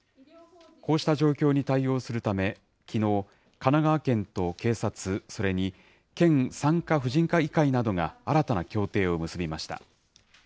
こうした状況に対応するため、きのう、神奈川県と警察、それに県産科婦人科医会などが新たな協定を結びました。